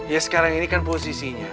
ya sekarang ini kan posisinya